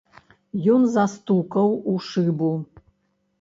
Ён застукаў у шыбу.